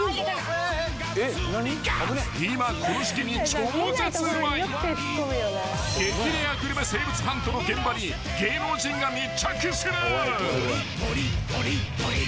［今この時季に超絶うまい激レアグルメ生物ハントの現場に芸能人が密着する］